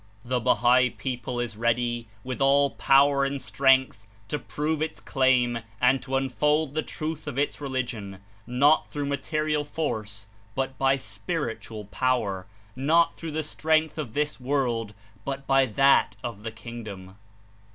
The Bahai people is ready with all power and strength to prove its claim and to unfold the truth of its religion, not through material force, but by spiritual power; not through the strength of this world, but by that of the Kingdom.